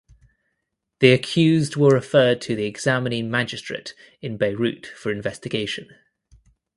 The accused were referred to the examining magistrate in Beirut for investigation.